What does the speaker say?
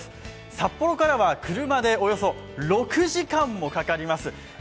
札幌からは車でおよそ６時間もかかります。